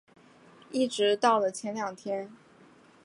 一直到了前两天